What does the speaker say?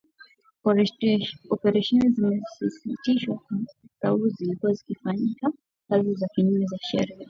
Operesheni zimesitishwa kwa sababu zilikuwa zikifanya kazi kinyume cha sheria.